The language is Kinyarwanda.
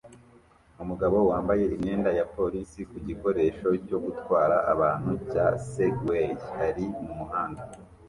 Umugabo wambaye imyenda ya polisi ku gikoresho cyo gutwara abantu cya Segway ari mu muhanda